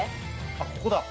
あっここだ。